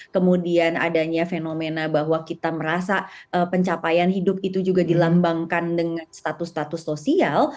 kemudian adanya fenomena bahwa kita merasa pencapaian hidup itu juga dilambangkan dengan status status sosial